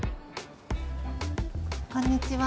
こんにちは。